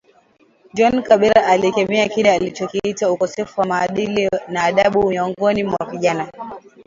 John Kabera alikemea kile alichokiita ukosefu wa maadili na adabu miongoni mwa vijana